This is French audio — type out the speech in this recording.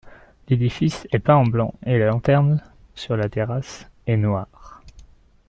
L'édifice est peint blanc et la lanterne, sur la terrasse, est noire.